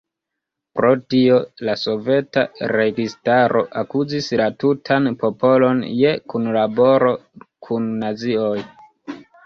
Pro tio la Soveta registaro akuzis la tutan popolon je kunlaboro kun Nazioj.